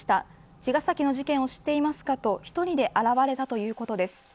茅ヶ崎の事件を知っていますかと１人で現れたということです。